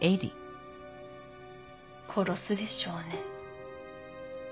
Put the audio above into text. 殺すでしょうね。